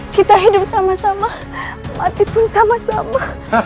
kita hidup sama sama mati pun sama sama